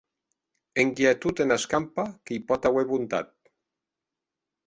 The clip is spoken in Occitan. Enquia e tot ena escampa que i pòt auer bontat.